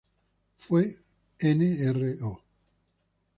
Fue Nro.